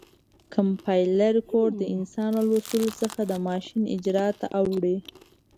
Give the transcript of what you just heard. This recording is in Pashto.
کمپایلر کوډ د انسان له لوستلو څخه د ماشین اجرا ته اړوي.